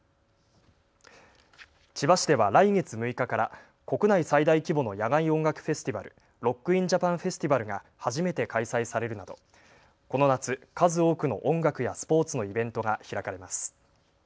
千葉市では来月６日から国内最大規模の野外音楽フェスティバル、ロック・イン・ジャパン・フェスティバルが初めて開催されるなどこの夏、数多くの音楽やスポーツのイベントが開かれます。